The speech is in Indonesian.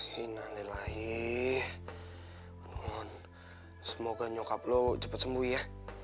hina lelahi mon semoga nyokap lo cepet sembuh ya